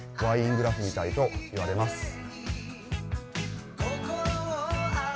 ワイングラスみたいと言われます。